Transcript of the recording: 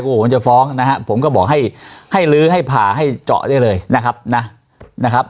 กลัวผมจะฟ้องนะครับผมก็บอกให้ลื้อให้ผ่าให้จอได้เลยนะครับ